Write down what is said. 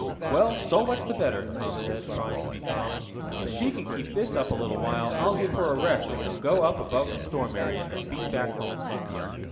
"Well, so much the better," Tom said, trying to be calm. "If she can keep this up a little while I'll give her a rest and we'll go up above the storm area, and beat back home."